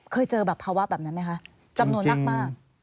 เคยเจอแบบภาวะแบบนั้นไหมคะจำนวนมาก